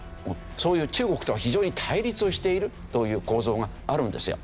そういう中国とは非常に対立をしているという構造があるんですよ。